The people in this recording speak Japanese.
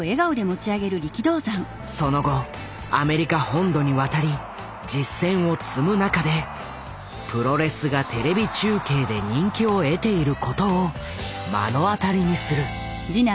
その後アメリカ本土に渡り実戦を積む中でプロレスが「テレビ中継」で人気を得ていることを目の当たりにする。